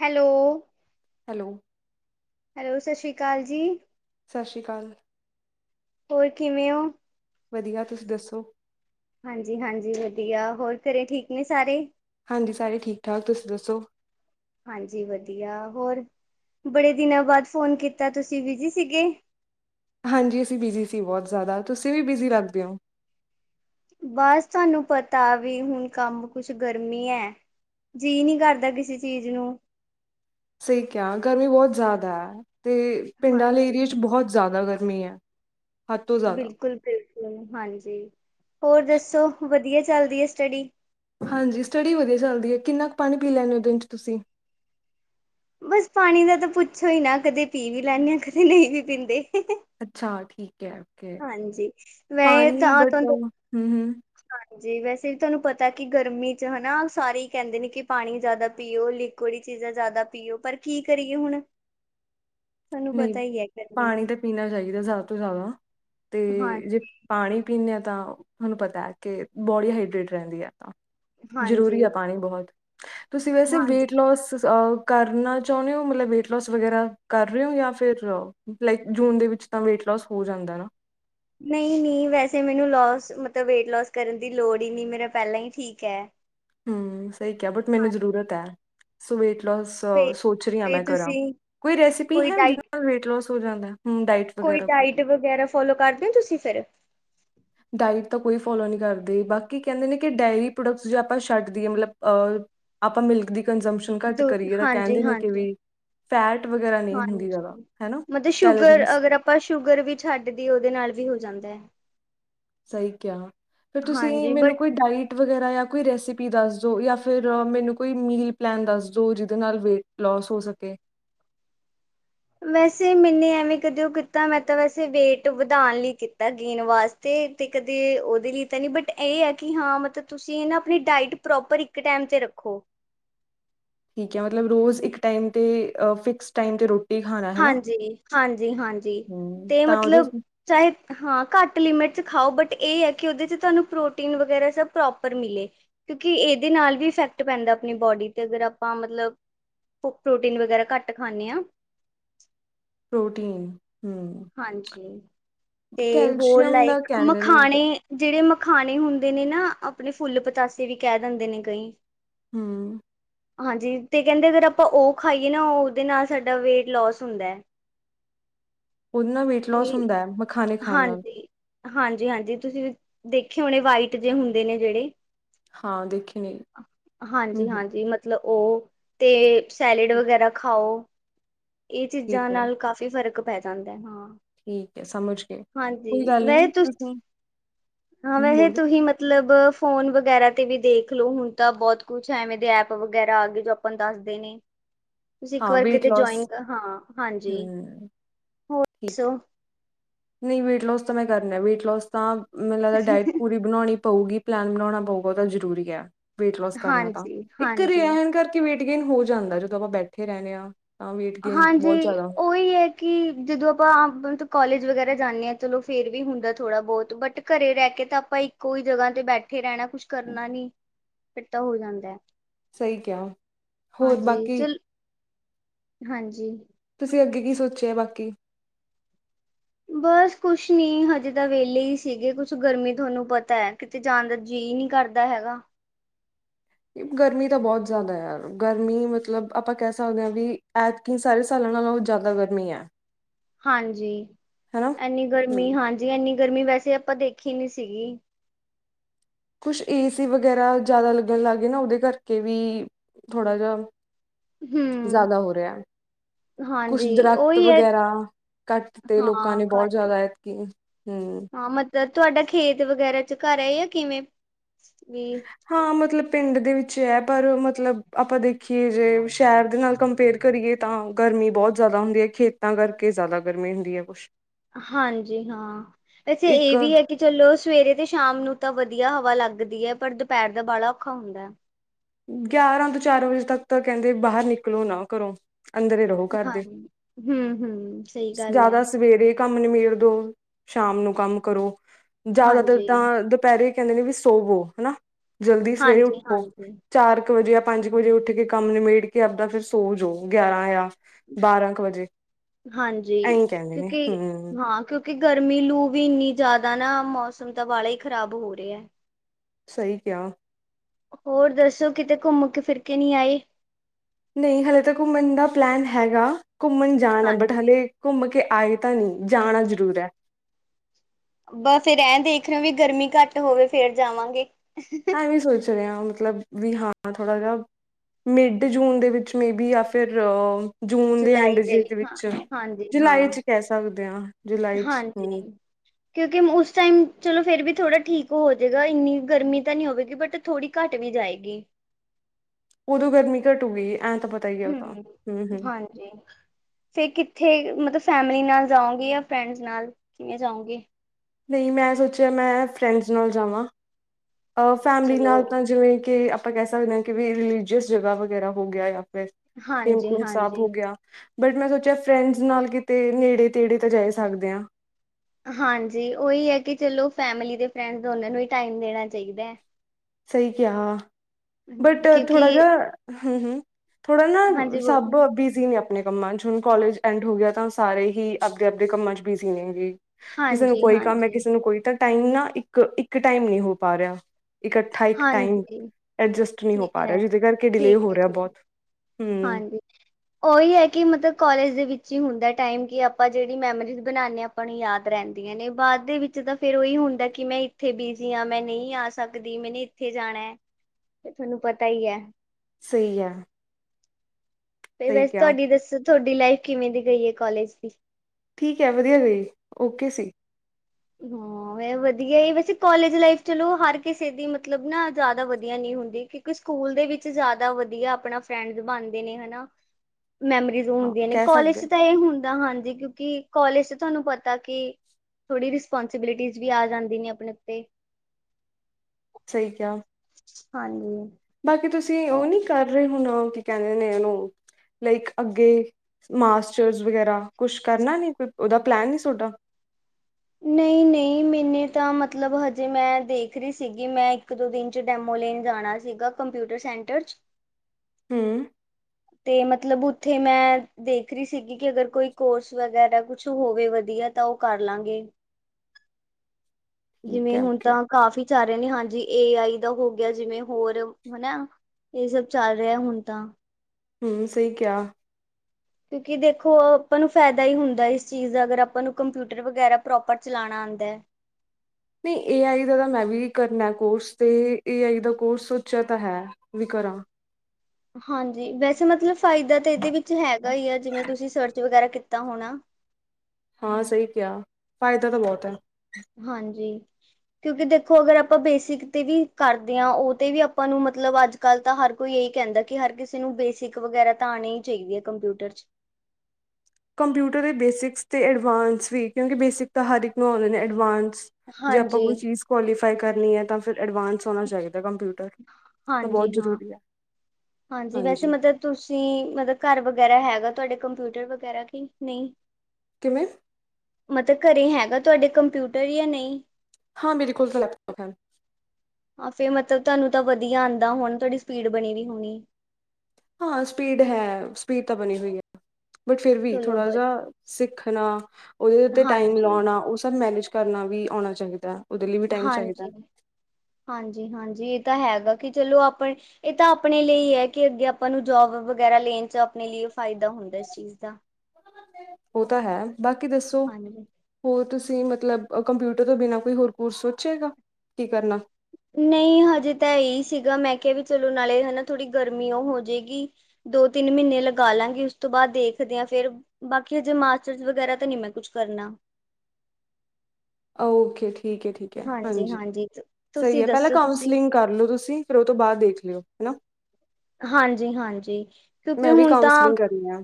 Hello, hello, hello, ਸਤਿ ਸ਼੍ਰੀ ਅਕਾਲ ਜੀ। ਸਤਿ ਸ਼੍ਰੀ ਅਕਾਲ। ਹੋਰ ਕਿਵੇਂ ਹੋ? ਵਧੀਆ, ਤੁਸੀਂ ਦੱਸੋ। ਹਾਂਜੀ- ਹਾਂਜੀ ਵਧੀਆ ਹੋਰ ਘਰੇ ਠੀਕ ਨੇ ਸਾਰੇ ਹਾਂਜੀ। ਸਾਰੇ ਠੀਕ- ਠਾਕ ਤੁਸੀਂ ਦੱਸੋ। ਹਾਂਜੀ। ਵਧੀਆ, ਹੋਰ ਬੜੇ ਦਿਨਾਂ ਬਾਅਦ ਫੋਨ ਕੀਤਾ। ਤੁਸੀਂ ਬਿਜੀ ਸੀਗੇ। ਹਾਂਜੀ। ਅਸੀਂ ਬਿਜ਼ੀ ਸੀ। ਬਹੁਤ ਜ਼ਿਆਦਾ, ਤੁਸੀਂ ਵੀ ਬਿਜ਼ੀ ਰੱਖਦੇ ਹੋ। ਬਸ ਤੁਹਾਨੂੰ ਪਤਾ ਵੀ ਹੁਣ ਕੰਮ ਕੁਛ ਗਰਮੀ ਹੈ। ਜੀਅ ਨਹੀਂ ਕਰਦਾ ਕਿਸੇ ਚੀਜ਼ ਨੂੰ ਸਹੀ ਕਿਆ। ਗਰਮੀ ਬਹੁਤ ਜ਼ਿਆਦਾ ਹੈ। ਤੇ ਪਿੰਡਾਂ ਵਾਲੇ ਏਰੀਏ ' ਬਹੁਤ ਜ਼ਿਆਦਾ ਗ ਮੀਆਂ ਬਿਲਕੁਲ- ਬਿਲਕੁਲ ਹਾਂਜੀ। ਹੋਰ ਦੱਸੋ। ਦਸੋ। ਵਧੀਆ ਚੱਲਦੀ ਹੈ ਸਟੱਡੀ ਹਾਂਜੀ। ਸਟੱਡੀ ਵਧੀਆ ਚੱਲਦੀ ਹੈ ।ਕਿੰਨਾ ਕੁ ਪਾਣੀ ਪੀ ਲੈਂਦੇ। ਉਹ ਦਿਨ 'ਚ ਤੁਸੀਂ ਬਸ ਪਾਣੀ ਦਾ ਤਾਂ ਪੁੱਛੋ ਹੀ ਨਾ ਕਦੇ ਪੀ ਵੀ ਲੈਂਦੇ ਆਂ। ਕਦੇ ਨਹੀਂ ਵੀ ਪੀਂਦੇ ਅੱਛਾ। ਠੀਕ ਓ -ਓਕੇ, ਹਾਂਜੀ, ਮੈਂ ਪਾਣੀ ਤਾਂ ਬਟ, ਤੁਹਾਨੂੰ ਹਮ- ਹਮ ਹਾਂਜੀ। ਵੈਸੇ ਵੀ ਤੁਹਾਨੂੰ ਪਤਾ ਕਿ ਗਰਮੀ ਚ' ਹਨਾ ਸਾਰੇ ਹੀ ਕਹਿੰਦੇ ਨੇ ਕਿ ਪਾਣੀ ਜ਼ਿਆਦਾ ਪੀਓ। ਲਿਕੁਡ ਚੀਜ਼ਾਂ ਜ਼ਿਆਦਾ ਪੀਓ ।ਪਰ ਕੀ ਕਰੀਏ, ਹੁਣ ਤੁਹਾਨੂੰ ਪਤਾ ਨਹੀਂ, ਹੀ ਹੈ ਗਰਮੀ ਦਾ ਪਾਣੀ ਤਾਂ ਪੀਣਾ ਚਾਹੀਦਾ। ਜ਼ਿਆਦਾ ਤੋਂ ਜ਼ਿਆਦਾ ਹਾਂ ਤੇ ਜੇ ਪਾਣੀ ਪੀਦੇ ਹਾਂ। ਤਾਂ ਤੁਨੂੰ ਪਤਾ ਹੈ। ਕਿ ਬੋਡੀ ਹਾਈਡਰੇਟ ਰਹਿੰਦੀ ਹੈ। ਤਾਂ ਹਾਂਜੀ ਜ਼ਰੂਰੀ ਆ ਪਾਣੀ ਬਹੁਤ ਤੁਸੀਂ ਵੈਸੇ ਵੇਟ ਹਾਂਜੀ ਲੋਸ ਅ ਕਰਨਾ ਚਾਹੁੰਦੇ ਹੋ ਮਤਲਬ ਵੇਟ ਲੋਸ ਵਗੈਰਾ ਕਰ ਕਰ ਰਹੇ ਹੋ ਜਾਂ ਫਿਰ ਲਾਈਕ ਜੂਨ ਦੇ ਵਿੱਚ ਤਾਂ ਵੇਟ ਲੋਸ ਹੋ ਜਾਂਦਾ ਨਾ ਨਹੀਂ ਨਹੀਂ ਵੈਸੇ ਮੈਨੂੰ ਲੋਸ ਮਤਲਬ ਵੇਟ ਲੋਸ ਕਰਨ ਦੀ ਲੋੜ ਹੀ ਨਹੀਂ, ਮੇਰਾ ਪਹਿਲਾਂ ਹੀ ਠੀਕ ਹੈ। ਹੂ ਸਹੀ ਕਿਹਾ ਬਟ ਮੈਨੂੰ ਜ਼ਰੂਰਤ ਹੈ। ਸੋ ਵੇਟ- ਤੇ ਸੋਚ ਰਹੀ ਹ ਤੇ ਮੈਂ ਕਰਾਂ ਤੁਸੀਂ ਕੋਈ ਰੈਸਪੀ ਕੋਈ ਹੈ। ਜਿਹਦੇ ਡਾਈਟ ਨਾਲ ਵੇਟ ਲੋਸ [unintelligible] ਕੋਈ ਡਾਈਟ ਵਗੈਰਾ ਫੋਲੋ ਕਰਦੇ ਹੋ ਤੁਸੀ ਫਿਰ ਡਾਇਟ ਤਾਂ ਕੋਈ ਫੋਲੋ ਨੀ ਕਰਦੇ, ਬਾਕੀ ਕਹਿੰਦੇ ਨੇ ਕਿ ਡੇਰੀ ਪ੍ਰੋਡਕਟਸ ਜੇ ਆਪਾਂ ਛੱਡ ਮਤਲਬ ਆਪਾਂ ਮਿਲਕ ਦੀ ਕੰਜ਼ੰਪਸ਼ਨ ਦ ਘੱਟ ਕਰੀਏ ਤਾਂ ਹਾਂਜੀ ਕਹਿੰਦੇ ਨੇ ਕਿ ਹਾਂਜੀ ਵੀ ਫੈਟ ਵਗੈਰਾ ਨਹੀਂ ਹੁੰਦੀ ਹਾਂਜੀ ਜ਼ਿਆਦਾ ਹੈ ਨਾ ਮਤਲਬ ਸ਼ੂਗਰ ਕੈਲੋਰੀਜ਼ ਅਗਰ ਆਪਾਂ ਸ਼ੂਗਰ ਵੀ ਛੱਡ ਦੀ ਉਹਦੇ ਨਾਲ ਵੀ ਹੋ ਜਾਂਦਾ ਹੈ। ਸਹੀ ਕਿਹਾ ਫਿਰ ਤੁਸੀਂ ਹਾਂਜੀ ਬਟ ਮੈਨੂੰ ਕੋਈ ਡਾਇਟ ਵਗੈਰਾ ਜਾਂ ਕੋਈ ਰੈਸਿਪੀ ਦੱਸ ਦਿਉ ਜਾਂ ਫਿਰ ਮੈਨੂੰ ਕੋਈ ਮੀਲ ਪਲੈਨ ਦੱਸ ਦਿਉ ਜਿਹਦੇ ਨਾਲ ਵੇਟ ਲੋਸ ਹੋ ਸਕੇ ਵੈਸੇ ਮੈਨੇ ਐਵੇਂ ਕਦੇ ਉਹ ਕੀਤਾ ਮੈਂ ਤਾਂ ਵੈਸੇ ਵੇਟ ਵਧਾਉਣ ਲਈ ਕੀਤਾ ਗੇਨ ਵਾਸਤੇ ਤੇ ਕਦੇ ਉਹਦੇ ਲਈ ਤਾਂ ਨਹੀ ਬਟ ਇਹ ਹੈ। ਕਿ ਹਾਂ ਮਤਲਬ ਤੁਸੀਂ ਨਾ ਆਪਣੀ ਡਾਇਟ ਪ੍ਰੋਪਰ ਇੱਕ ਟਾਈਮ ਤੇ ਰੱਖੋ ਠੀਕ ਹੈ ਮਤਲਬ ਰੋਜ਼ ਇੱਕ ਟਾਈਮ ਤੇ ਫਿਕਸ ਟਾਈਮ ਤੇ ਰੋਟੀ ਖਾਣਾ ਹੈ ਨਾ ਹਾਂਜੀ -ਹਾਂਜੀ- ਹਾਂਜੀ ਹੂੰ ਤੇ ਤਾਂ ਮਤਲਬ ਉਹਦੇ ਚਾਹੇ ਹਾਂ ਘੱਟ ਲਿਮਿਟ ਖਾਓ ਬਟ ਇਹ ਹੈ। ਕਿ ਉਹਦੇ ਚ' ਤੁਹਾਨੂੰ ਪ੍ਰੋਟੀਨ ਵਗੈਰਾ ਸਭ ਪ੍ਰੋਪਰ ਮਿਲੇ ਕਿਉਂਕਿ ਇਹਦੇ ਨਾਲ ਵੀ ਇਫੈਕਟ ਪੈਂਦਾ ਆਪਣੀ ਬੋਡੀ ਤੇ, ਅਗਰ ਆਪਾਂ ਮਤਲਬ ਪ੍ਰੋਟੀਨ ਵਗੈਰਾ ਘੱਟ ਖਾਂਦੇ ਹਾਂ ਪ੍ਰੋਟੀਨ ਹੂੰ ਹਾਂਜੀ ਤੇ ਹੋਰ ਕੈਲਸ਼ੀਅਮ ਦਾ ਲਾਈਕ ਕਹਿੰਦੇ ਨੇ ਬ ਮਖਾਣੇ ਜਿਹੜੇ ਮਖਾਣੇ ਹੁੰਦੇ ਨੇ ਨਾ ਆਪਣੇ ਫੁੱਲ ਪਤਾਸੇ ਵੀ ਕਹਿ ਦਿੰਦੇ ਨੇ ਕਈ ਹੂ- ਹਾਂਜੀ ਤੇ ਕਹਿੰਦੇ ਅਗਰ ਆਪਾਂ ਉਹ ਖਾਈਏ ਨਾ ਉਹਦੇ ਨਾਲ ਸਾਡਾ ਵੇਟ ਲੋਸ ਹੁੰਦਾ ਹੈ। ਉਹਦੇ ਨਾਲ ਵੇਟ ਲੋਸ ਤੁਸੀਂ ਹੁੰਦਾ ਹੈ, ਮਖਾਨਣੇ ਖਾਣ ਨਾਲ ਹਾਂਜੀ ਹਾਂਜੀ ਹਾਂਜੀ ਤੁਸੀਂ ਦੇਖੇ ਹੋਣੇ ਵਾਈਟ ਜੇ ਹੁੰਦੇ ਨੇ ਜਿਹੜੇ ਹਾਂ ਦੇਖੇ ਨੇ ਹੂੰ ਹਾਂਜੀ ਹੂੰ ਹਾਂਜੀ ਮਤਲਬ ਔਹ ਤੇ ਸੈਲੇਡ ਵਗੈਰਾ ਖਾਔ ਇਹ ਚੀਜ਼ਾਂ ਠੀਕ ਹੈ ਨਾਲ ਕਾਫ਼ੀ ਫ਼ਰਕ ਫੈਦਾ ਨਹੀ ਹਾਂ- ਠੀਕ ਹੈ ਸਮਝ ਗਈ, ਹਾਂਜੀ ਕੋਈ ਗੱਲ ਨੀ ਵੈਸੇ ਤੁਸੀਂ ਹਾਂ ਹੂੰ ਵੈਸੇ ਬੋਲੋ ਤੁਸੀਂ ਮਤਲਬ ਫੋਨ ਵਗੈਰਾ ਤੇ ਵੀ ਦੇਖ ਲੋ, ਹੁਣ ਤਾਂ ਬਹੁਤ ਕੁਛ ਐਵੇਂ ਦੇ ਐਪ ਵਗੈਰਾ ਆ ਗਏ, ਜੋ ਆਪਾਂ ਨੂੰ ਦੱਸਦੇ ਨੇ। ਤੁਸੀਂ ਇੱਕ ਹਾਂ ਵਾਰ ਵੇਟ ਕਿਤੇ ਲੋਸ ਜੁਆਇਨ ਹਾਂ, ਹਾਂਜੀ, ਹੂੰ ਹੋਰ ਠੀਕ ਹੈ ਦੱਸੋ ਨਹੀਂ ਵੇਟ ਲੋੋਸ ਤਾਂ ਮੈਂ ਕਰਨਾ ਵੇਟ ਲੋਸ ਤਾਂ ਮੈਨੂੰੱ ਲਗਦਾ ਡਾਇਟ ਪੂਰੀ ਬਣਾਉਣੀ ਪਊਗੀ, ਪਲੈਨ ਬਣਾਉਣਾ ਪਊਗਾ ਉਹ ਤਾਂ ਜ਼ਰੂਰੀ ਹੈ ਵੇਟ ਲੋਸ ਕਰਨਾ ਤਾਂ ਹਾਂਜੀ ਇੱਕ ਘਰੇ ਹਾਂਜੀ ਰਹਿਣ ਕਰਕੇ ਵੇਟ ਲੇਕਿਨ ਹੋ ਜਾਂਦਾ ਜਦੋਂ ਆਪਾਂ ਬੈਠੇ ਰਹਿੰਦੇ ਹਾਂ ਤਾਂ ਵੇਟ ਗੇਨ ਬਹੁਤ ਹਾਂਜੀ ਜ਼ਿਆਦਾ ਹੁੰਦਾ ਉਹੀ ਹੈ ਕਿ ਜਦੋਂ ਆਪਾਂ ਮਤਲਬ ਕਾਲੇਜ ਵਗੈਰਾ ਜਾਂਦੇ ਹਾਂ ਚਲੋ ਫਿਰ ਵੀ ਹੁੰਦਾ ਥੋੜ੍ਹਾ ਬਹੁਤ ਬਟ ਘਰ ਰਹਿ ਕੇ ਤਾਂ ਆਪਾਂ ਇੱਕੋ ਹੀ ਜਗ੍ਹਾ 'ਤੇ ਬੈਠੇ ਰਹਿਣਾ। ਕੁਛ ਕਰਨਾ ਨੀ ਫਿਰ ਤਾਂ ਹੋ ਜਾਂਦਾ ਹੈ ਸਹੀ ਕਿਹਾ ਹੋਰ ਹਾਂਜੀ ਬਾਕੀ ਚਲ ਹਾਂਜੀ ਤੁਸੀਂ ਅੱਗੇ ਕੀ ਸੋਚਿਆ ਬਾਕੀ ਬਸ ਕੁਛ ਨੀ ਹਜੇ ਤਾਂ ਵਿਹਲੇ ਹੀ ਸੀਗੇ ਕੁਛ ਗਰਮੀ ਤੁਹਾਨੂੰ ਪਤਾ ਹੈ ਕਿਤੇ ਜਾਣ ਦਾ ਜੀਅ ਨਹੀਂ ਕਰਦਾ ਹੈਗਾ ਗਰਮੀ ਤਾਂ ਬਹੁਤ ਜ਼ਿਆਦਾ ਹੈਾ ਯਾਰ ਗਰਮੀ ਮਤਲਬ ਆਪਾਂ ਕਹਿ ਸਕਦੇ ਹਾਂ ਵੀ ਐਤਕੀ ਸਾਰੇ ਸਾਲਾਂ ਨਾਲੋਂ ਜ਼ਿਆਦਾ ਗਰਮੀ ਹੈ ਹਾਂਜੀ ਹਨਾ ਇਨੀ ਗਰਮੀ ਹਮ ਹਾਂਜੀ ਇੰਨੀ ਗਰਮੀ ਵੈਸੇ ਆਪਾਂ ਦੇਖੀ ਨੀ ਸੀਗੀ ਕੁਛ ਏ ਸੀ ਵਗੈਰਾ ਜ਼ਿਆਦਾ ਲੱਗਣ ਲੱਗ ਗਏ ਨਾ ਉਹਦੇ ਕਰਕੇ ਵੀ ਥੋੜ੍ਹਾ ਜਿਹਾ। ਹੂੰ ਜ਼ਿਆਦਾ ਹੋ ਰਿਹਾ ਕੁਛ ਹਾਂਜੀ ਦਰਖਤ ਉਹੀ ਹੈ ਵਗੈਰਾ ਕੱਟ ਤੇ ਲੋਕਾਂ ਹਾਂ ਨੇ ਬਹੁਤ ਘੱਟ ਜ਼ਿਆਦਾ ਐਤਕੀ, ਹਮ। ਹਾਂ ਮਤਲਬ ਤੁਹਾਡਾ ਖੇਤ ਵਗੈਰਾ ਚ ਘਰ ਹੈ ਜਾਂ ਕਿਵੇਂ? ਵੀ ਹਾਂ ਮਤਲਬ ਪਿੰਡ ਦੇ ਵਿੱਚ ਹੈ ਪਰ ਮਤਲਬ ਆਪਾਂ ਦੇਖ ਦੇਖੀਏ ਜੇ ਸ਼ਹਿਰ ਦੇ ਨਾਲ ਕੰਮ ਪੇਅਰ ਕਰੀਏ ਤਾਂ ਗਰਮੀ ਬਹੁਤ ਜ਼ਿਆਦਾ ਹੁੰਦੀ ਹੈ ਖੇਤਾਂ ਕਰਕੇ ਜ਼ਿਆਦਾ ਗਰਮੀ ਹੁੰਦੀ ਹੈ ਕੁੱਛ ਹਾਂਜੀ ਹਾਂ ਵੈਸੇ ਇੱਕ ਇਹ ਵੀ ਹੈ ਕਿ ਚਲੋ ਸਵੇਰੇ ਤੇ ਸ਼ਾਮ ਨੂੰ ਤਾਂ ਵਧੀਆ ਹਵਾ ਲੱਗਦੀ ਹੈ ਪਰ ਦੁਪਹਿਰ ਦਾ ਬਾਲਾ ਔਖਾ ਹੁੰਦਾ ਹੈ। ਗਿਆਰਾਂ ਤੋਂ ਚਾਰ ਵਜੇ ਤੱਕ ਤਾਂ ਕਹਿੰਦੇ ਬਾਹਰ ਨਿਕਲੋ ਨਾ ਘਰੋਂ। ਅੰਦਰ ਹੀ ਰਹੋ ਕਰਦੇ ਹਾਂਜੀ ਹੂੰ ਹੂੰ ਸਹੀ ਗੱਲ ਹੈ ਜ਼ਿਆਦਾ ਸਵੇਰੇ ਕੰਮ ਪੰਜ ਮੀਲ ਦੂਰ ਸ਼ਾਮ ਨੂੰ ਕੰਮ ਕਰੋ। ਜ਼ਿਆਦਾਤਰ ਹਾਂਜੀ ਤਾਂ ਦੁਪਹਿਰੇ ਕਹਿੰਦੇ ਨੇ ਵੀ ਸੋਵੋ ਹੈ ਨਾਂ। ਜਲਦੀ ਸਵੇਰੇ ਹਾਂਜੀ ਉੱਠੋ ਹਾਂਜੀ ਚਾਰ ਕੁ ਵਜੇ ਜਾਂ ਪੰਜ ਕੁ ਵਜੇ ਉੱਠ ਕੇ ਕੰਮ ਨਿਬੇੜ ਕੇ ਆਪਦਾ ਫਿਰ ਸੌ ਜਾਓ ਗਿਆਰਾਂ ਜਾਂ ਬਾਰਾਂ ਕੁ ਵਜੇ । ਹਾਂਜੀ ਕਿਉਂਕਿ ਹੂੰ ਹਾਂ ਕਿਉਂਕਿ ਗਰਮੀ ਲੂ ਵੀ ਇੰਨੀ ਜ਼ਿਆਦਾ ਨਾ ਮੌਸਮ ਤਾਂ ਬਾਲਾ ਹੀ ਖ਼ਰਾਬ ਹੋ ਰਿਹਾ। ਸਹੀ ਕਿਹਾ। ਹੋਰ ਦੱਸੋ ਕਿਤੇ ਘੁੰਮ ਕੇ ਫਿਰ ਕੇ ਨਹੀਂ ਆਏ ਨਹੀਂ ਹਲੇੇ ਤ ਘੁੰਮਣ ਦਾ ਪਲੈਨ ਹੈਗਾ ਘੁੰਮਣ ਜਾਣ ਹੈ ਹਾਂ ਬਟ ਹਲੇੇ ਘੁੰਮ ਕੇ ਆਏ ਤਾਂ ਨਹੀਂ ਜਾਣਾ ਜ਼ਰੂਰ ਹੈ ਬਸ ਫਿਰ ਐਂ ਦੇਖ ਰਹੇ ਹੋ ਵੀ ਗਰਮੀ ਘੱਟ ਹੋਵੇ ਫੇਰ ਜਾਵਾਂਗੇ ਹਾਂ ਐਂਵੇ ਸੋਚ ਰਹੇ ਹ ਮਤਲਬ ਵੀ ਹਾਂ ਥੋੜ੍ਹਾ ਜਿਹਾ ਮਿਡ ਜੂਨ ਦੇ ਵਿੱਚ ਮੇਬੀ ਜਾਂ ਫਿਰ ਜੂਨ ਦੇ ਐਂਡ ਜੁਲਾਈ ਜਿ ਵੀ ਦੇ ਹਾਂ ਵਿੱਚ ਹਾਂਜੀ ਜੁਲਾਈ ਹਾਂ ਚ ਕਹਿ ਸਕਦੇ ਹਾਂ ਜੁਲਾਈ ਚ ਹਾਂਜੀ। ਹਮ ਕਿਉਂਕਿ ਉਸ ਟਾਈਮ ਚਲੋ ਫਿਰ ਵੀ ਥੋੜ੍ਹਾ ਠੀਕ ਹੋ ਜਾਵੇਗਾ ਇੰਨੀ ਗਰਮੀ ਤਾਂ ਨਹੀਂ ਹੋਵੇਗੀ ਬਟ ਥੋੜ੍ਹੀ ਘੱਟ ਵੀ ਜਾਏਗੀ ਉਦੋਂ ਗਰਮੀ ਘੱਟੂ ਗੀ ਐਂ ਤਾਂ ਪਤਾ ਹੀ ਹੈ ਉਹ ਤਾਂ ਹਮ ਹੂੰ ਹੂੰ ਹਾਂਜੀ ਫੇਰ ਕਿੱਥੇ ਮਤਲਬ ਫੈਮਿਲੀ ਨਾਲ ਜਾਓਗੇ ਜਾਂ ਫਰੈਂਡਸ ਨਾਲ ਕਿਵੇਂ ਜਾਉਗੇ ਨਹੀਂ ਮੈਂ ਸੋਚਿਆ ਮੈਂ ਫਰੈਂਡਸ ਨਾਲ ਜਾਵਾਂ ਅ ਫੈਮਿਲੀ ਨਾਲ ਚਲੋ ਤਾਂ ਜਿਵੇਂ ਕਿ ਆਪਾਂ ਕਹਿ ਸਕਦੇ ਹਾਂ ਕਿ ਵੀ ਰਿਲੀਜੀਅਸ ਜਗ੍ਹਾ ਵਗੈਰਾ ਹੋ ਗਿਆ ਆ ਫੇਰ ਹਾਂਜੀ ਹੇਮਕੁੰਡ ਸਾਹਿਬ ਹਾਂਜੀ ਹੋ ਗਿਆ ਬਟ ਮੈਂ ਸੋਚਿਆ ਫਰੈਂਡਸ ਨਾਲ ਕਿਤੇ ਨੇੜੇ ਤੇੜੇ ਤਾਂ ਜਾਈ ਸਕਦੇ ਹਾਂ ਹਾਂਜੀ ਓਹੀ ਹੈ ਕਿ ਚਲੋ ਫੈਮਿਲੀ ਤੇ ਫਰੈਂਡ ਦੋਨਾਂ ਨੂੰ ਹੀ ਟਾਈਮ ਦੇਣਾ ਚਾਹੀਦਾ ਹੈ ਸਹੀ ਕਿਹਾ ਆ ਹਮ, ਬਟ ਥੋੜਾ ਕਿਉਂਕਿ ਜਿਹਾ ਹਮ ਹਮ ਥੋੜਾ ਨਾ ਹਾਂਜੀ ਬੋਲ ਸਭ ਬਿਜ਼ੀ ਨੇ ਆਪਾਂ ਆਪਣੇ ਕੰਮਾਂ ਚ ਹੁਣ ਕੋਲਜ ਐਂਡ ਹੋ ਗਿਆ ਤਾਂ ਸਾਰੇ ਹੀ ਆਪਦੇ ਆਪਦੇ ਕੰਮਾਂ ਚ ਬਿਜ਼ੀ ਨੇਗੇ ਕਿਸੇ ਨੂੰ ਹਾਂਜੀ ਕੋਈ ਕੰਮ ਹੈ ਹਾਂਜੀ ਕਿਸੇ ਨੂੰ ਕੋਈ ਧੱਕ ਟਾਈਮ ਨਾ ਇੱਕ ਇੱਕ ਟਾਈਮ ਨੀ ਹੋ ਪਾ ਰਿਹਾ ਇਕੱਠਾ ਇੱਕ ਟਾਈਮ ਹਾਂਜੀ ਐਡਜਸਟ ਨਹੀਂ ਹੋ ਠੀਕ ਪਾ ਰਿਹਾ ਹੈ ਜਿਹਦੇ ਕਰਕੇ ਡਿਲੇ ਠੀਕ ਹੋ ਹੈ ਰਿਹਾ ਠੀਕ ਹੈ ਬਹੁਤ ਹੂੰ ਹਾਂਜੀ ਉਹੀ ਹੈ ਕਿ ਮਤਲਬ ਕੋਲਜ ਦੇ ਵਿੱਚ ਵਿੱਚ ਹੀ ਹੁੰਦਾ ਟਾਈਮ ਕਿ ਆਪਾਂ ਜਿਹੜੀ ਮੈਮਰੀਜ਼ ਬਣਾਉਂਦੇ ਹਾਂ ਆਪਾਂ ਨੂੰ ਯਾਦ ਰਹਿੰਦੀਆਂ ਨੇ ਬਾਅਦ ਦੇ ਵਿੱਚ ਤਾਂ ਫੇਰ ਉਹੀ ਹੁੰਦਾ ਕਿ ਮੈਂ ਇੱਥੇ ਬਿਜੀ ਹਾਂ ਮੈਂ ਨਹੀਂ ਆ ਸਕਦੀ ਮੈਨੇ ਇੱਥੇ ਜਾਣਾ ਹੈ ਤੇ ਤੁਹਾਨੂੰ ਪਤਾ ਹੀ ਹੈ ਸਹੀ ਐ ਤੇ ਵੈਸੇ ਤੁਹਾਡੀ ਦੱਸ ਤੁਹਾਡੀ ਲਾਈਫ ਕਿਵੇਂ ਦੀ ਗਈ ਹੈ ਕਾਲੇਜ ਦੀ ਠੀਕ ਐ। ਵਧੀਆ ਜ ਜੀ। ਓਕੇ ਸੀ। ਹਾਂ, ਵਧੀਆ ਵੈਸੇ ਕੋਾਲਜ ਲਾਈਫ ਚਲੋ ਹਰ ਕਿਸੇ ਦੀ ਮਤਲਬ ਨਾ ਜ਼ਿਆਦਾ ਵਧੀਆ ਨੀ ਹੁੰਦੀ। ਕਿਉਂਕਿ ਸਕੂਲ ਦੇ ਵਿੱਚ ਜ਼ਿਆਦਾ ਵਧੀਆ ਆਪਣਾ ਫਰੈਂਡ ਬਣਦੇ ਨੇ ਹਨਾ। ਮੈਮਰੀਜ਼ ਹਾਂ ਹੁੰਦੀਆਂ ਨੇ ਕਹਿ ਸਕਦੇ ਕੋਲਜ ਤਾਂ ਇਹ ਹੁੰਦਾ। ਹਾਂਜੀ। ਕਿਉਂਕਿ ਕਾਲਜ ਤੇ ਤੁਹਾਨੂੰ ਪਤਾ ਕਿ ਥੋੜ੍ਹੀ ਰਿਸਪੋਂਸੀਬਿਲਿਟੀਜ਼ ਵੀ ਆ ਜਾਂਦੀ ਨੇ ਆਪਣੇ ਉੱਤੇ। ਸਹੀ ਕਿਹਾ। ਹਾਂਜੀ। ਬਾਕੀ ਤੁਸੀਂ ਤੁਸੀਂ ਉਹ ਨਹੀਂ ਕਰ ਰਹੇ ਹੁਣ ਔ ਕੀ ਕਹਿੰਦੇ ਨੇ ਓਨੂੰ ਲਾਈਕ ਅੱਗੇ ਮਾਸਟਰਸ ਵਗੈਰਾ, ਕੁਛ ਕਰਨਾ ਨੀ ਕੋ ਉਹ ਓਦਾ ਪਲੈਨ ਨੀ ਤੁਹਾਡਾ ਨਹੀਂ, ਨਹੀਂ। ਮੈਨੇ ਤਾਂ ਮਤਲਬ ਹਜੇ ਮੈਂ ਦੇਖ ਰਹੀ ਸੀਗੀ। ਮੈਂ ਇੱਕ ਦੋ ਦਿਨ 'ਚ ਡੈਮੋ ਲੈਨ ਜਾਣਾ ਸੀਗਾ ਕੰਪਿਊਟਰ ਸੈਂਟਰ 'ਚ। ਹੂੰ। ਤੇ ਮਤਲਬ ਉੱਥੇ ਮੈਂ ਦੇਖ ਰਹੀ ਸੀਗੀ ਕਿ ਅਗਰ ਕੋਈ ਕੋਰਸ ਵਗੈਰਾ ਕੁਛ ਹੋਵੇ ਵਧੀਆ ਤਾਂ ਉਹ ਕਰ ਲਾਂਗੇ। ਠੀਕ ਜਿਵੇਂ ਹੈ ਹੁਣ ਓਕੇ ਤਾਂ ਕਾਫੀ ਸਾਰੇ ਨੇ, ਹਾਂਜੀ। ਏ ਆਈ ਦਾ ਹੋ ਗਿਆ ਜਿਵੇਂ ਹੋਰ ਹਨਾ ਇਹ ਸਭ ਚੱਲ ਰਿਹਾ ਹੁਣ ਤਾਂ। ਹੂੰ। ਸਹੀ ਕਿਆ। ਕਿਉਂਕਿ ਦੇਖੋ ਆਪਾਂ ਨੂੰ ਫਾਇਦਾ ਹੀ ਹੁੰਦਾ ਇਸ ਚੀਜ਼ ਦਾ ਅਗਰ ਆਪਾਂ ਨੂੰ ਕੰਪਿਊਟਰ ਵਗੈਰਾ ਪ੍ਰੋਪਰ ਚਲਾਣਾ ਆਂਦਾ ਹੈ। ਨਹੀਂ, ਏ- ਆਈ ਦਾ ਤਾਂ ਮੈਂ ਵੀ ਕਰਨਾ ਕੋਰਸ ਤੇ ਏ -ਆਈ ਦਾ ਕੋਰਸ ਸੋਚਿਆ ਤਾਂ ਹੈ ਵੀ ਕਰਾਂ। ਹਾਂਜੀ, ਵੈਸੇ ਮਤਲਬ ਫਾਇਦਾ ਤਾਂ ਇਹਦੇ ਵਿੱਚ ਹੈਗਾ ਈ ਆ ਜਿਵੇਂ ਤੁਸੀਂ ਸਰਚ ਵਗੈਰਾ ਕੀਤਾ ਹੋਣਾ। ਹਾਂ, ਸਹੀ ਕਿਹਾ ਫਾਇਦਾ ਤਾਂ ਬੋਤ ਹੈ। ਹਾਂਜੀ। ਕਿਉਂਕਿ ਦੇਖੋ ਅਗਰ ਆਪਾਂ ਬੇਸਿਕ ਤੇ ਵੀ ਕਰਦੇ ਹਾਂ। ਉਹ ਤੇ ਵੀ ਆਪਾਂ ਨੂੰ ਮਤਲਬ ਅੱਜ ਕੱਲ੍ਹ ਤਾਂ ਹਰ ਕੋਈ ਇਹੀ ਕਹਿੰਦਾ ਕਿ ਹਰ ਕਿਸੇ ਨੂੰ ਬੇਸਿਕ ਵਗੈਰਾ ਤਾਂ ਆਉਣੀ ਹੀ ਚਾਹੀਦੀ ਹੈ ਕੰਪਿਊਟਰ ਚ। ਕੰਪਿਊਟਰ ਦੇ ਬੇਸਿਕਸ ਤੇ ਐਡਵਾਂਸ ਵੀ ਕਿਉਂਕਿ ਬੇਸਿਕ ਹਰ ਇੱਕ ਨੂੰ ਆਉਂਦੇ ਏਡਵਾਂਸ ਜੇ ਆਪਾਂ ਹਾਂਜੀ ਕੋਈ ਚੀਜ਼ ਕੁਆਲੀਫ ਆਈ ਕਰਨੀ ਹੈ ਤਾਂ ਫਿਰ ਐਡਵਾਂਸ ਹੋਣਾ ਚਾਹੀਦਾ ਕੰਪਿਊਟਰ ਤਾਂ ਹਾਂਜੀ, ਬਹੁਤ ਹਾਂ। ਜ਼ਰੂਰੀ ਹੈ ਹਾਂਜੀ। ਵੈਸੇ ਮਤਲਬ ਤੁਸੀਂ ਮਤਲਬ ਘਰ ਵਗੈਰਾ ਹੈਗਾ। ਤੁਹਾਡੇ ਕੰਪਿਊਟਰ ਵਗੈਰਾ ਕੀ ਨਹੀਂ। ਕਿਵੇਂ? ਮਤਲਬ ਘਰੇ ਹੈਗਾ ਤੁਹਾਡੇ ਕੰਪਿਊਟਰ ਜਾਂ ਨਹੀਂ। ਹਾਂ, ਮੇਰੇਕੋਲ ਤਾਂ ਲੈਪਟੋਪ ਹੈ। ਹਾਂ, ਫਿਰ ਮਤਲਬ ਤੁਹਾਨੂੰ ਤਾਂ ਵਧੀਆ ਆਉਂਦਾ ਹੁਣ ਤੁਹਾਡੀ ਸਪੀਡ ਬਣੀ ਦੀ ਹੋਣੀ। ਹਾਂ, ਸਪੀਡ ਹੈ ਸਪੀਡ ਤਾਂ ਬਣੀ ਹੋਈ ਹੈ। ਬਟ ਫਿਰ ਵੀ ਚਲੋ ਥੋੜਾ ਵ ਜਹਾ ਸਿੱਖ ਣਾ। ਉਹਦੇ ਉਤੇ ਟਾਈਮ ਹਾਂਜੀ ਲਾਉਣਾ ਉਹ ਸਭ ਮੈਨੇਜ ਕਰਨਾ ਵੀ ਆਉਣਾ ਚਾਹੀਦਾ। ਉਹਦੇ ਲਈ ਵੀ ਟਾਈਮ ਚਾਹੀਦਾ ਹਾਂਜੀ, ਹਾਂਜੀ, ਹਾਂਜੀ। ਤਾਂ ਹੈਗਾ ਕਿ ਚਲੋ ਆਪਣੇ ਇਹ ਤਾਂ ਆਪਣੇ ਲਈ ਹੈ ਕਿ ਅੱਗੇ ਆਪਾਂ ਨੂੰ ਜੋਬ ਵਗੈਰਾ ਲੈਣ ਚ ਆਪਣੇ ਲਈ ਫਾਇਦਾ ਹੁੰਦਾ ਇਸ ਚੀਜ਼ ਦਾ। ਉਹ ਤਾਂ ਹੈ। ਬਾਕੀ ਦੱਸੋ ਹਾਂਜੀ। ਹੋਰ ਤੁਸੀਂ ਕੀ ਮਤਲਬ ਕੰਪਿਊਟਰ ਤੋਂ ਬਿਨਾਂ ਕੋਈ ਹੋਰ ਕੋਰਸ ਸੋਚੇਗਾ ਕੀ ਕਰਨਾ? ਨਹੀਂ ਹਜੇ ਤਾਂ ਇਹੀ ਸੀਗਾ ਮੈਂ ਕਿਹਾ ਵੀ ਚਲੋ ਨਾਲੇ ਹਨਾ ਥੋੜ੍ਹੀ ਗਰਮੀ ਉਹ ਹੋਜਏਗੀ ਦੋ, ਤਿੰਨ ਮਹੀਨੇ ਲਗਾ ਲਾਂਗੀ ਉਸ ਤੋਂ ਬਾਅਦ ਦੇਖਦੇਿਆਂ ਫੇਰ ਬਾਕੀ ਹਜੇ ਮਾਰਚ ਚ ਵਗੈਰਾ ਤਾਂ ਨਹੀਂ ਮੈਂ ਕੁਛ ਕਰਨਾ। ਓਕੇ ਠੀਕ ਠੀਕ ਹੈ, ਠੀਕ ਹੈ ਹਾਂਜੀ ਹਾਂਜੀ-ਹਾਂਜੀ ਸਹੀ ਤੁਸੀਂ ਹੈ, ਪਹਿਲਾਂ ਦੱਸੋ ਤੁਸੀਂ ਕਾਊਂਸਲਿੰਗ ਕਰ ਲਓ ਤੁਸੀਂ ਫਿਰ ਉਹ ਤੋਂ ਬਾਅਦ ਦੇਖ ਲਿਓ ਹੈ ਨਾ। ਹਾਂਜੀ, ਹਾਂਜੀ ਕਿਉਂਕਿ ਮੈਂ ਵੀ ਹੁਣ ਤਾਂ ਕਾਉਂਸਲਿੰਗ ਕਰਨੀ ਆ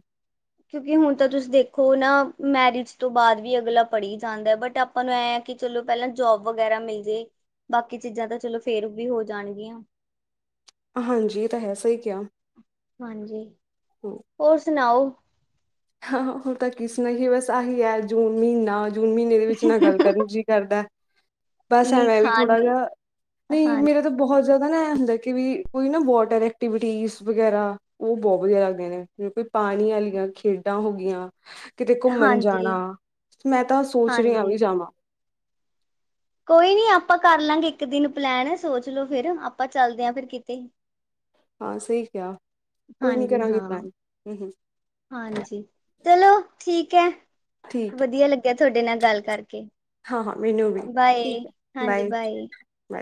ਕਿਉਂਕਿ ਹੁਣ ਤਾਂ ਤੁਸੀਂ ਦੇਖੋ ਨਾ ਮੈਰਿਜ ਤੋਂ ਬਾਅਦ ਵੀ ਅਗਲਾ ਪੜ੍ਹੀ ਜਾਂਦਾ ਹੈ ਬਟ ਆਪਾਂ ਨੂੰ ਐ ਹੈ ਕਿ ਚਲੋ ਪਹਿਲਾਂ ਜੋਬ ਵਗੈਰਾ ਮਿਲ ਜੇ ਬਾਕੀ ਚੀਜ਼ਾਂ ਤਾਂ ਚਲੋ ਫੇਰ ਵੀ ਹੋ ਜਾਣਗੀਆਂ। ਹਾਂਜੀ ਇਹ ਤਾਂ ਹੈ ਸਹੀ ਕਿਹਾ ਹਾਂਜੀ, ਹਮ, ਹੋਰ ਸੁਣਾਓ। ਹਾਂ ਹੁਣ ਤਾਂ ਕਿ ਸੂਨਾਈਯੇ ਹੀ ਬਸ ਆਹੀ ਹੈ ਜੂਨ ਮਹੀਨਾ ਜੂਨ ਮਹੀਨੇ ਦੇ ਵਿੱਚ ਨਾ ਗੱਲ ਕਰਨ ਜੀ ਕਰਦਾ ਬਸ ਨੀ ਐਵੇਂ ਵੀ ਖਾਣ ਥੋੜਾ ਨੂੰ ਜਿਹਾ, ਨਹੀਂ ਹਾਂ ਮੇਰਾ ਤਾਂ ਬਹੁਤ ਜ਼ਿਆਦਾ ਨਾ ਇਹ ਹੁੰਦਾ ਕਿ ਵੀ ਕੋਈ ਨਾ ਵਾਟਰ ਐਕਟੀਵਿਟੀ ਵਗੈਰਾ ਉਹ ਬਹੁਤ ਵਧੀਆ ਲੱਗਦੀਆਂ ਨੇ ਜਿਵੇਂ ਕੋਈ ਪਾਣੀ ਵਾਲੀਆਂ ਖੇਡ ਹੋ ਗਿਆਂ। ਕਿਤੇ ਘੁੰਮਣ ਹਾਂਜੀ ਜਾਣਾ ਮੈਂ ਤਾਂ ਸੋਚ ਰਹੀਹਾ ਹਾਂਜੀ ਵੀ ਜਾਵਾਂ ਕੋਈ ਨੀ ਆਪਾਂ ਕਰ ਲਵਗੇ ਇੱਕ ਦਿਨ ਪਲੈਨ ਸੋਚ ਲੋ ਫਿਰ ਆਪਾਂ ਚੱਲਦੇ ਹਾਂ ਫਿਰ ਕਿਤੇ ਹਾਂ ਸਹੀ ਕਿਹਾਿਆ ਹਾਂਜੀ ਹਾਂ ਹਾਂਜੀ ਚਲੋ ਠੀਕ ਠੀਕ ਹੈ। ਠੀਕ ਹੈ ਵਧੀਆ ਲੱਗਿਆ ਤੁਹਾਡੇ ਨਾਲ ਗੱਲ ਕਰਕੇ ਹਾਂ ਹਾਂ ਮੈਨੂੰ ਵੀ ਬਾਏ ਠੀਕ ਹੈ ਹਾਂਜੀ ਬਾਏ। ਬਾਏ